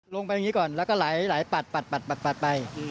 ลงไปอย่างนี้ก่อนแล้วก็ไหลปัดไป